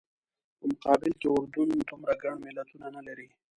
په مقابل کې اردن دومره ګڼ ملتونه نه لري.